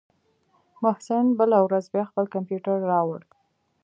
محسن بله ورځ بيا خپل کمپيوټر راوړ.